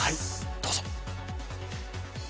どうぞ！